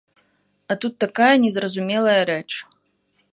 А тут такая незразумелая рэч.